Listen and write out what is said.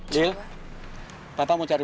siapa kamu arada